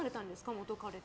元カレと。